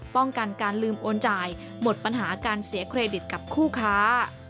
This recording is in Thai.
ป้องกันการลืมโอนจ่ายหมดปัญหาการเสียเครดิตกับคู่ค้า